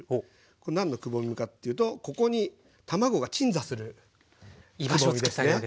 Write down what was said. これ何のくぼみかというとここに卵が鎮座するくぼみですね。